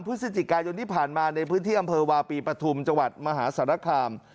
พฤศจิกายนที่ผ่านมาในพื้นที่อำเภอวาปีปฐุมจังหวัดมหาสารคาม